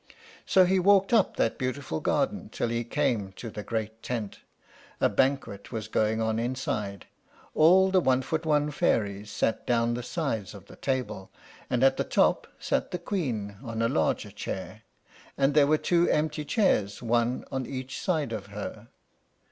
So he walked up that beautiful garden till he came to the great tent. A banquet was going on inside. All the one foot one fairies sat down the sides of the table, and at the top sat the Queen on a larger chair; and there were two empty chairs, one on each side of her.